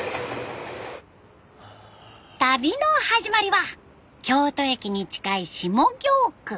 旅の始まりは京都駅に近い下京区。